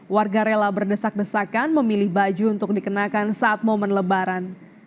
warga rela berdesak desakan memilih baju untuk dikenakan saat momen lebaran